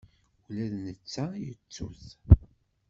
Ula d netta yettu-t.